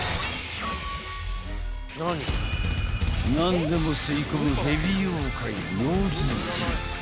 ［何でも吸い込む蛇妖怪］